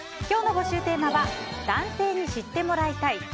今日の募集テーマは男性に知ってもらいたい！